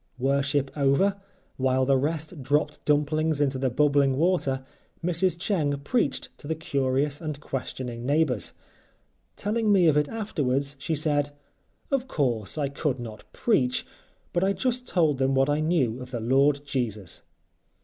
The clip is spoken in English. Worship over, while the rest dropped dumplings into the bubbling water, Mrs. Cheng preached to the curious and questioning neighbors. Telling me of it afterwards she said,—"Of course, I could not preach, but I just told them what I knew of the Lord Jesus."